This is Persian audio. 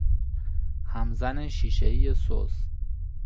همزن شیشه ای سس